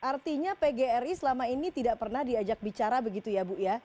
artinya pgri selama ini tidak pernah diajak bicara begitu ya bu ya